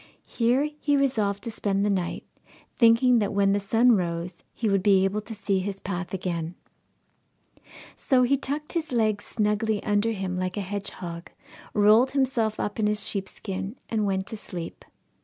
Here he resolved to spend the night, thinking that when the sun rose he would be able to see his path again. So he tucked his legs snugly under him like a hedgehog, rolled himself up in his sheepskin, and went to sleep.